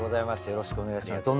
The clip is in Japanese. よろしくお願いします。